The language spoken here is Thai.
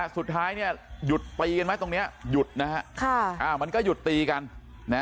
สุดท้ายเนี่ยหยุดตีกันไหมตรงนี้หยุดนะฮะมันก็หยุดตีกัน